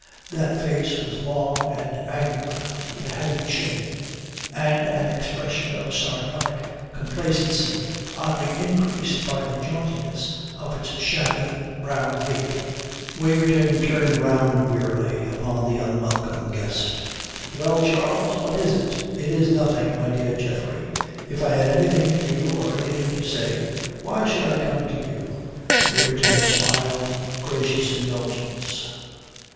That face was long and angular, with a heavy chin and an expression of sardonic complacency oddly increased by the jauntiness of its shabby brown wig. Waverton turned round wearily upon the unwelcome guest. "Well, Charles, what is it?" "It is nothing. My dear Geoffrey, if I had anything to do or anything to say why should I come to you?" "Merci, monsieur," Waverton smiled gracious indulgence.